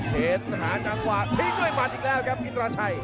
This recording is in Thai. เห็นหาจังหวะทิ้งด้วยหมัดอีกแล้วครับอินทราชัย